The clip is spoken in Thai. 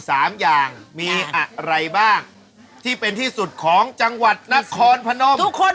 ศักดิ์สิทธิ์ที่สุดคือพระธาตุภาคโน้น